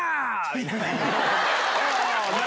みたいな。